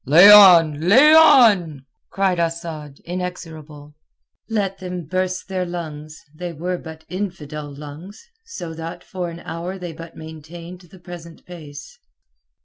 "Lay on! Lay on!" cried Asad, inexorable. Let them burst their lungs—they were but infidel lungs!—so that for an hour they but maintained the present pace.